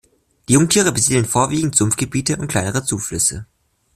Die Jungtiere besiedeln vorwiegend Sumpfgebiete und kleinere Zuflüsse.